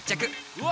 うわ！